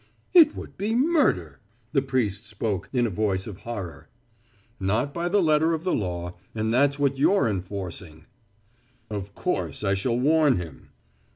"It would be murder," the priest spoke in a voice of horror. "Not by the letter of the law and that's what you're enforcing." "Of course I shall warn him."